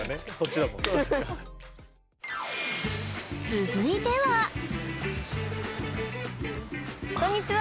続いてはこんにちは！